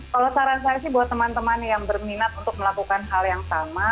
kalau saran saya sih buat teman teman yang berminat untuk melakukan hal yang sama